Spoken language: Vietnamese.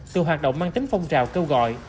từ hoạt động mang tính phong trào kêu gọi